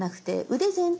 腕全体。